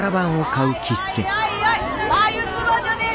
眉唾じゃねえ